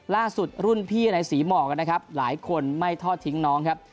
รุ่นพี่ในศรีหมอกนะครับหลายคนไม่ทอดทิ้งน้องครับ